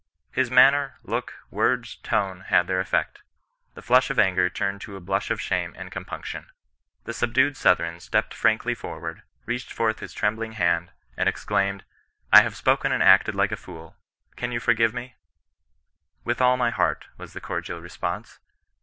His manner, look, words, tone, had their effect. The flush of anger turned to a blush of shame and compunction. The subdued Southron stepped frankly forward, reached forth his trembling hand, and exclaimed —"/ have spoken and acted like a fool; can you forgive me T' " With all my heart," was the cor dial response.